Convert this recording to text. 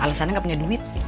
alasannya gak punya duit